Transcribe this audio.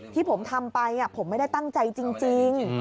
ที่ผมทำไปผมไม่ได้ตั้งใจจริง